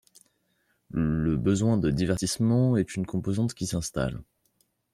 Le besoin de divertissement est une composante qui s’installe.